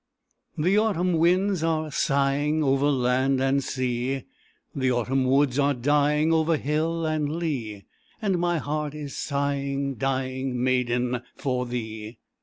The autumn winds are sighing Over land and sea; The autumn woods are dying Over hill and lea; And my heart is sighing, dying, Maiden, for thee.